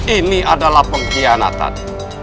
ini adalah pengkhianatan